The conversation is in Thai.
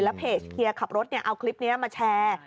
แล้วเพจเคลียร์ขับรถเอาคลิปนี้มาแชร์